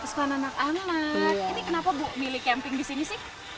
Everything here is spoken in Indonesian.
kesukaan anak anak ini kenapa bu milih camping di sini sih